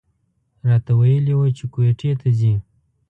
راته ویلي و چې کویټې ته ځي.